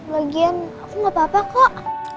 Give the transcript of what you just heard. lagian aku gak apa apa kok